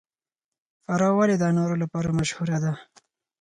فراه ولې د انارو لپاره مشهوره ده؟